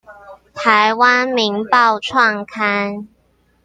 臺灣民報創刊